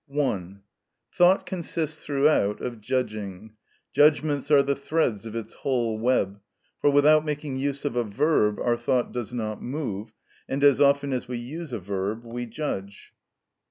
(1.) Thought consists throughout of judging; judgments are the threads of its whole web, for without making use of a verb our thought does not move, and as often as we use a verb we judge.